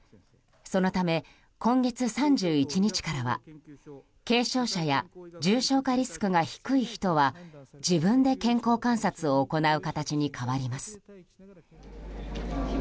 そのため、今月３１日からは軽症者や重症化リスクの低い人は自分で健康観察を行う形に変わります。